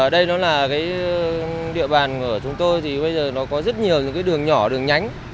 ở đây nó là cái địa bàn của chúng tôi thì bây giờ nó có rất nhiều những cái đường nhỏ đường nhánh